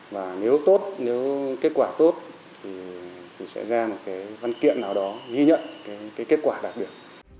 và nếu tốt nếu kết quả tốt thì sẽ ra một cái văn kiện nào đó ghi nhận cái kết quả đặc biệt